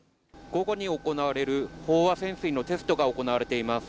午後に行われる飽和潜水のテストが行われています